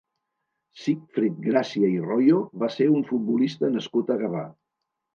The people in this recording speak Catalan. Sígfrid Gràcia i Royo va ser un futbolista nascut a Gavà.